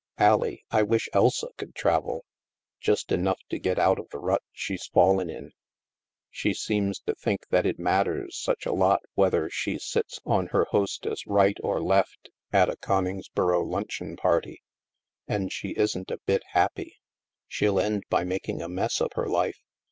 Allie, I wish Elsa could travel. Just enough to get out of the rut she's fallen in. She seems to think that it matters such a lot whether she sits on her hostess' right or left, at a Conings boro luncheon party. And she isn't a bit happy. She'll end by making a mess of her life.